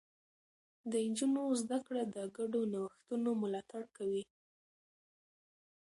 د نجونو زده کړه د ګډو نوښتونو ملاتړ کوي.